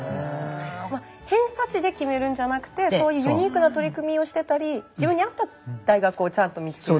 偏差値で決めるんじゃなくてそういうユニークな取り組みをしてたり自分に合った大学をちゃんと見つけるっていう。